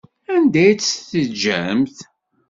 Anda ay tt-teǧǧamt?